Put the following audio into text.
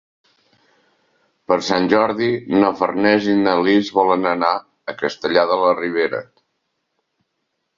Per Sant Jordi na Farners i na Lis volen anar a Castellar de la Ribera.